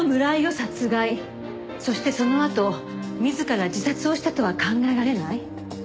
そしてそのあと自ら自殺をしたとは考えられない？